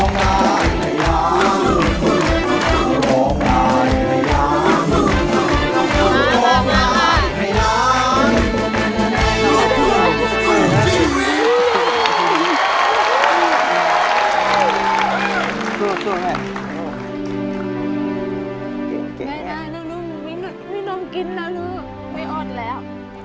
แม่น้ำนมกินแล้วลูกไม่อ้อนแล้ว